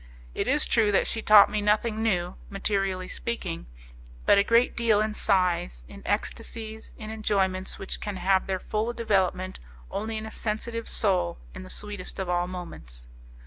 It is true that she taught me nothing new, materially speaking, but a great deal in sighs, in ecstasies, in enjoyments which can have their full development only in a sensitive soul in the sweetest of all moments.